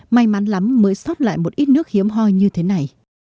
may mắn lắm mới sót lại một ít nước hiếm hoi như thế này